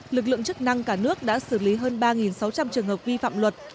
lực lượng chức năng cả nước đã xử lý hơn ba sáu trăm linh trường hợp vi phạm luật